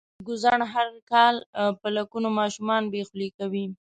ګوزڼ هر کال په لکونو ماشومان بې خولې کوي.